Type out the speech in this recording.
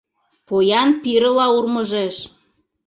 Поян пирыла урмыжеш;